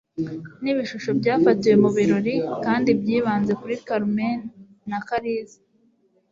Nibishusho byafatiwe mubirori kandi byibanze kuri Carmen na Kalisa.